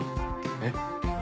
えっ？